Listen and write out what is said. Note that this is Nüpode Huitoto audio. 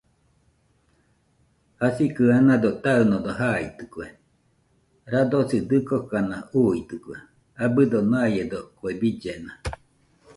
Jasikɨ anado taɨnodo jaitɨkue , radosi dɨkokana uuitɨkue abɨdo naiedo kue billena